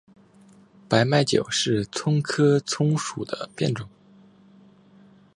白脉韭是葱科葱属的变种。